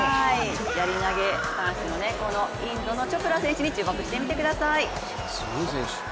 やり投げ、インドのチョプラ選手に注目してみてください。